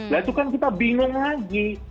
nah itu kan kita bingung lagi